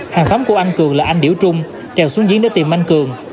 hàng xóm của anh cường là anh điểu trung trèo xuống giếng để tìm anh cường